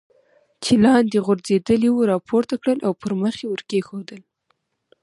چې لاندې غورځېدلې وه را پورته کړل او پر مخ یې ور کېښودل.